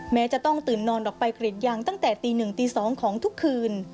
แม้จะต้องตื่นนอนออกไปกรีดยางตั้งแต่ตี๑ตี๒ของทุกคืน